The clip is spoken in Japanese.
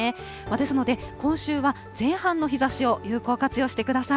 ですので、今週は前半の日ざしを有効活用してください。